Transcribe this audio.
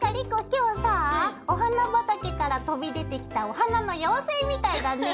今日さあお花畑から飛び出てきたお花の妖精みたいだね。